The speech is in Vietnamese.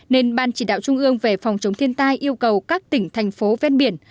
nên ban chỉ đạo trung ương về phòng chống thiên tai yêu cầu các tỉnh thành phố ven biển